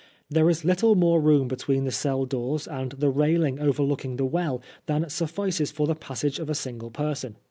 There is little more room between the cell doors and the railing over looking the well than suffices for the passage of a single person.